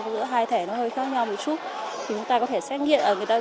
giữa hai thẻ nó hơi khác nhau một chút chúng ta có thể xác định hai thẻ đấy